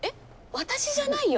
私じゃないよ。